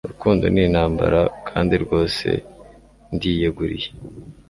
urukundo ni intambara, kandi rwose ndiyeguriye